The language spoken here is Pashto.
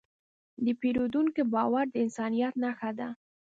د پیرودونکي باور د انسانیت نښه ده.